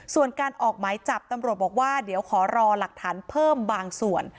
ส่วนการออกหมายจับตำรวจบอกว่าเดี๋ยวขอรอหลักฐานเพิ่มบางส่วน